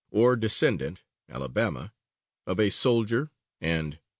or descendant (Ala.), of a soldier, and (N.C.)